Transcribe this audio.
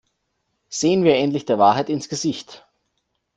Sehen wir endlich der Wahrheit ins Gesicht!